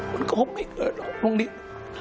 มันก็ไม่เกิดหรอกโรงเรียน